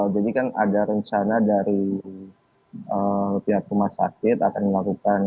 jadi kan ada rencana dari pihak rumah sakit akan dilakukan